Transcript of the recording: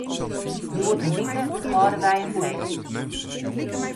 Hjoed in wike hâlde wy in feest.